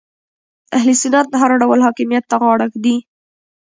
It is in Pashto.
اهل سنت هر ډول حاکمیت ته غاړه ږدي